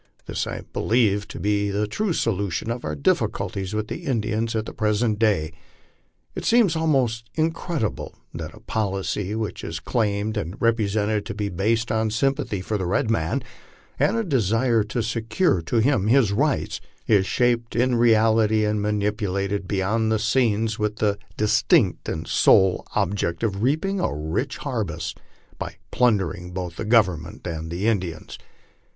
This I believe to be the true solution of our difficulties with the Indians at the pres ent day, Ifc s< ems almost incredible that a policy which is claimed and rep resented to be based on sympathy for the red man and a desire to secure to him his rights, is shaped in reality and manipulated behind the scenes with the distinct and sole object of reaping a rich harvest by plundering both the Gov ernment and the Indians.